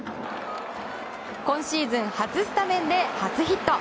今シーズン、初スタメンで初ヒット。